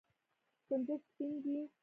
کنجد سپین دي.